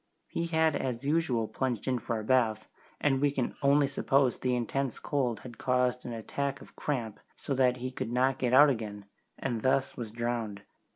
He had as usual plunged in for a bath, and we can only suppose the intense cold had caused an attack of cramp, so that he could not get out again, and thus was drowned.